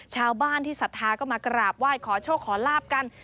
ชาวบ้านที่ศรัทธาก็มากราบไหว้ขอโชคขอลาบกัน